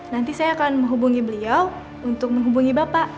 nanti saya akan menghubungi beliau untuk menghubungi bapak